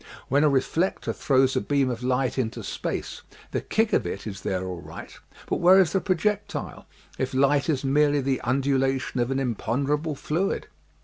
When a reflector throws a beam of light into space, the kick of it is there all right but where is the projectile, if light is merely the undulation of an im ponderable fluid?